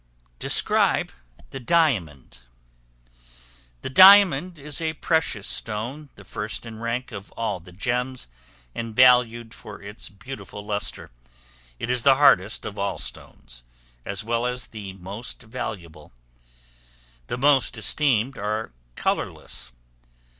Describe the Diamond. The diamond is a precious stone, the first in rank of all the gems, and valued for its beautiful lustre; it is the hardest of all stones, as well as the most valuable. The most esteemed are colorless.